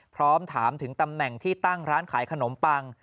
พร้อมถามถึงตำแหน่งที่ตั้งร้านขายขนมปัง